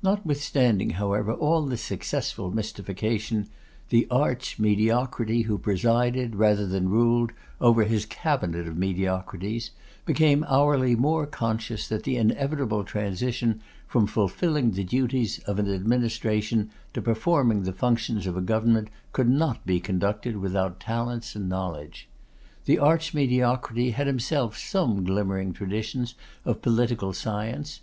Notwithstanding, however, all this successful mystification, the Arch Mediocrity who presided, rather than ruled, over this Cabinet of Mediocrities, became hourly more conscious that the inevitable transition from fulfilling the duties of an administration to performing the functions of a government could not be conducted without talents and knowledge. The Arch Mediocrity had himself some glimmering traditions of political science.